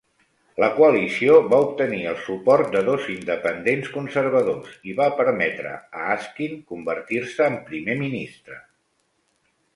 La coalició va obtenir el suport de dos independents conservadors i va permetre a Askin convertir-se en primer ministre.